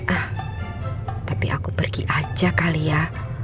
ah tapi aku pergi aja kali ya